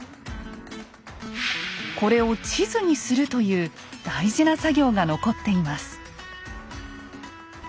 これを地図にするという大事な作業が残っています。